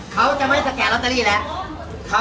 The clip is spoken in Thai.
มันจะหยุดอุปกรณ์แหละ